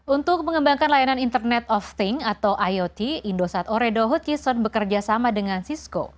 untuk mengembangkan layanan internet of things atau iot indosat oredo hutchison bekerjasama dengan cisco